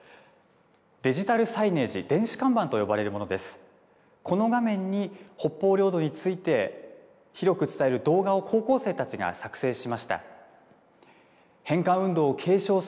デジタルサイネージ、電子看板と呼ばれるものです。